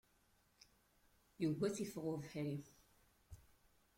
Yugi ad t-iffeɣ ubeḥri.